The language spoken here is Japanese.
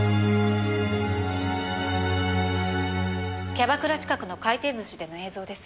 キャバクラ近くの回転寿司での映像です。